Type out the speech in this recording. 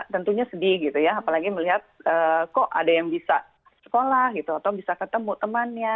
tentunya sedih gitu ya apalagi melihat kok ada yang bisa sekolah gitu atau bisa ketemu temannya